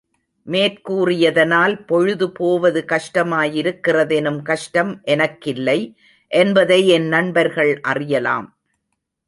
மேற்கூறியதனால், பொழுது போவது கஷ்டமாயிருக்கிறதெனும் கஷ்டம் எனக்கில்லை என்பதை என் நண்பர்கள் அறியலாம்.